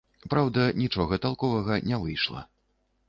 Праўда, нічога талковага не выйшла.